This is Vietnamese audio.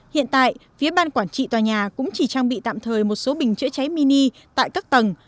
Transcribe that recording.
hiện tại phía ban quản trị tòa nhà cũng chỉ trang bị tạm thời một số bình chữa cháy mini tại các tầng